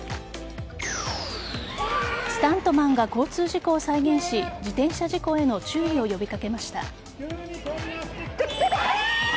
スタントマンが交通事故を再現し自転車事故への注意を呼び掛けました。